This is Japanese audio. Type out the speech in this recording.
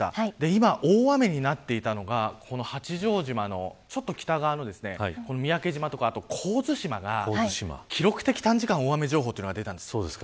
今、大雨になっていたのが八丈島の北側の三宅島とか神津島が記録的短時間大雨情報が出たんです。